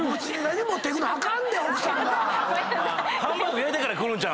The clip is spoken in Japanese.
ハンバーグ焼いてから来るんちゃう？